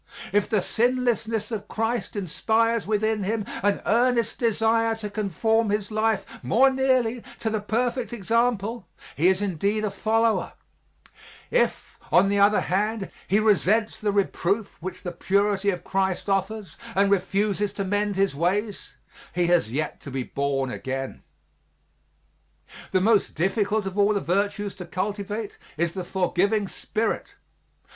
If the sinlessness of Christ inspires within him an earnest desire to conform his life more nearly to the perfect example, he is indeed a follower; if, on the other hand, he resents the reproof which the purity of Christ offers, and refuses to mend his ways, he has yet to be born again. The most difficult of all the virtues to cultivate is the forgiving spirit.